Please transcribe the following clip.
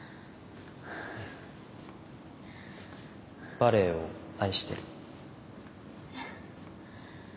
「バレエを愛してる」えっ。